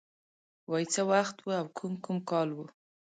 وای څه وخت و او کوم کوم کال و